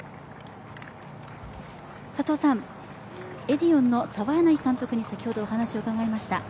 エディオンの沢柳監督に先ほどお話しを伺いました。